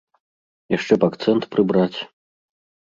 Яшчэ б акцэнт прыбраць.